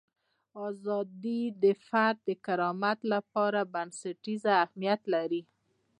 ازادي د فرد د کرامت لپاره بنسټیز اهمیت لري.